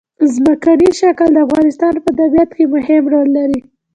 ځمکنی شکل د افغانستان په طبیعت کې مهم رول لري.